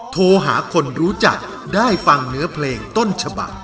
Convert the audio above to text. โทรหาคนรู้จักได้ฟังเนื้อเพลงต้นฉบัก